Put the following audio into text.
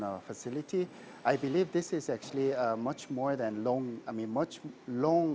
dan kami juga memberikan waranty untuk baterai yang lebih panjang